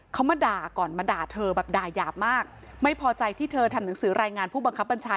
เขามาด่าก่อนมาด่าเธอแบบด่ายาบมากไม่พอใจที่เธอทำหนังสือรายงานผู้บังคับบัญชา